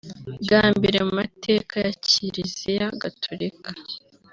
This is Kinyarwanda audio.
Bwa mbere mu mateka ya Kiliziya Gatulika